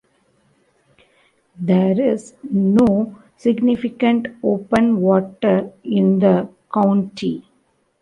There is no significant open water in the county.